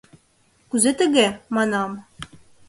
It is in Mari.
— Кузе тыге? — манам.